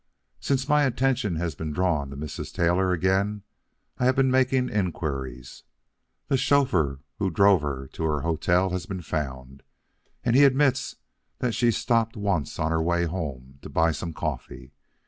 Since my attention has been drawn to Mrs. Taylor again, I have been making inquiries. The chauffeur who drove her to her hotel has been found, and he admits that she stopped once on her way home, to buy some coffee.